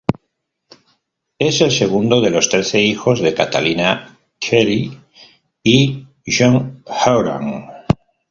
Es el segundo de los trece hijos de Catalina Kelly y John Horan.